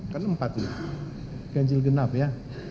kan empat ya ganjil genap ya